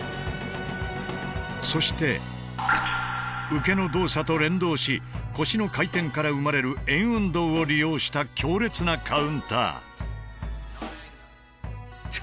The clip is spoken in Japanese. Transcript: そして受けの動作と連動し腰の回転から生まれる円運動を利用した強烈なカウンター。